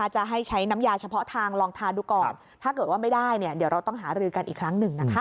จะให้ใช้น้ำยาเฉพาะทางลองทาดูก่อน